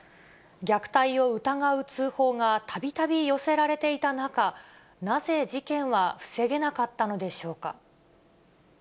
虐待を疑う通報がたびたび寄せられていた中、なぜ事件は防げなかったのでしょうか。